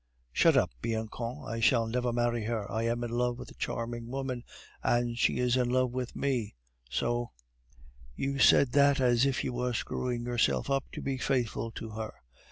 "Shut up, Bianchon; I shall never marry her. I am in love with a charming woman, and she is in love with me, so " "You said that as if you were screwing yourself up to be faithful to her.